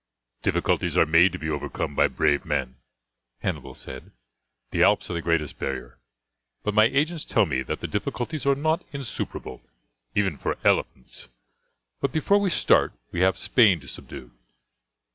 "Difficulties are made to be overcome by brave men," Hannibal said. "The Alps are the greatest barrier, but my agents tell me that the difficulties are not insuperable even for elephants. But before we start we have Spain to subdue.